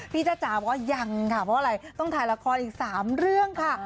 จ้าจ๋าบอกว่ายังค่ะเพราะอะไรต้องถ่ายละครอีก๓เรื่องค่ะ